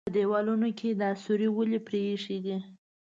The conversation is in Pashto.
_په دېوالونو کې يې دا سوري ولې پرېښي دي؟